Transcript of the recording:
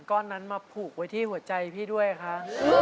ถูกเขาทำร้ายเพราะใจเธอแบกรับมันเอง